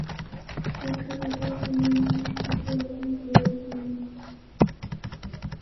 শিক্ষকতায় তিনি বিশেষ খ্যাতি অর্জন করেছিলেন।